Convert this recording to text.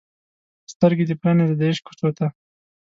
سترګې دې پرانیزه د عشق کوڅو ته